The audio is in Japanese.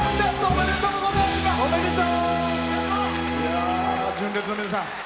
おめでとうございます。